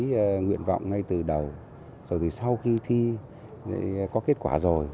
cái nguyện vọng ngay từ đầu rồi thì sau khi thi có kết quả rồi